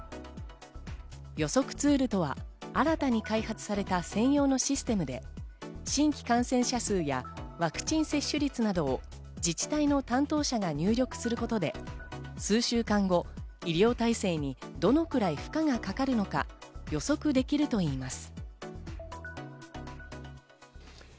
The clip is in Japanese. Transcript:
予測ツールとは新たに開発された専用のシステムで、新規感染者数やワクチン接種率などを自治体の担当者が入力することで数週間後、医療体制にどのくらい負荷がかかるのか予測できるといいます。